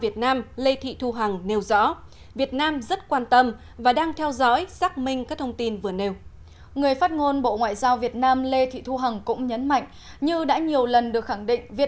tại việt nam được xuất khẩu sang mỹ một trong những thị trường khó tính nhất trên thế giới